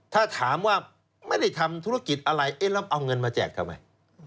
ถ้าถามว่าไม่ได้ทำธุรกิจอะไรเอ๊ะแล้วเอาเงินมาแจกทำไม